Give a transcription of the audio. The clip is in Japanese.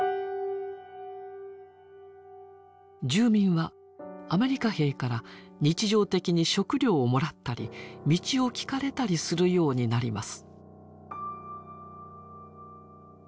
住民はアメリカ兵から日常的に食料をもらったり道を聞かれたりするようになります。